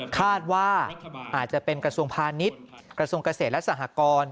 คาดว่าอาจจะเป็นกระทรวงพาณิชย์กระทรวงเกษตรและสหกร